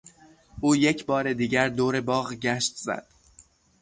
او یک بار دیگر دور باغ گشت زد.